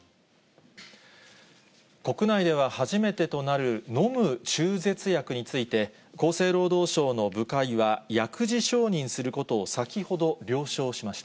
国内では初めてとなる、飲む中絶薬について、厚生労働省の部会は、薬事承認することを先ほど了承しました。